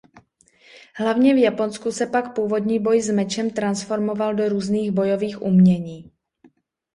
Hlavně v Japonsku se pak původní boj s mečem transformoval do různých bojových umění.